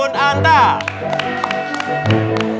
pondok pesantren kun anta